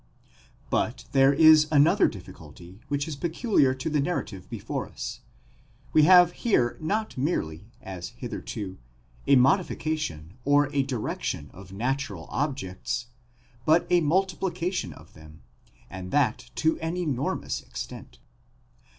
But there is another difficulty which is peculiar to the narrative before us. We have here not merely, as hitherto, a modification or a direction of natural objects, but a multiplication of them, and that to an enormous extent.